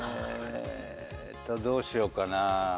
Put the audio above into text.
どうしようかなぁ。